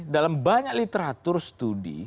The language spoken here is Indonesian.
dalam banyak literatur studi